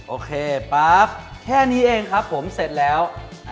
โอเคป๊าบแค่นี้เองครับผมเสร็จแล้ว